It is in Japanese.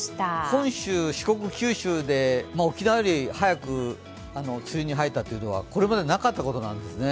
本州、四国、九州で、沖縄より早く梅雨に入ったというのは、これまでなかったことなんですね。